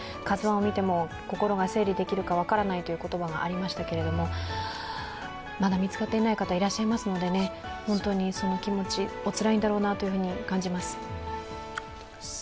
「ＫＡＺＵⅠ」を見ても心が整理できるか分からないという言葉がありましたけれども、まだ見つかっていない方、いらっしゃいますので、本当にその気持ち、おつらいんだろうなと感じます。